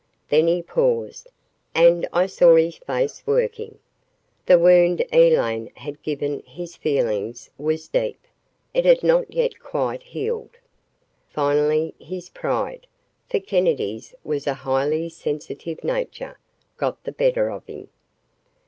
Then he paused, and I saw his face working. The wound Elaine had given his feelings was deep. It had not yet quite healed. Finally, his pride, for Kennedy's was a highly sensitive nature, got the better of him.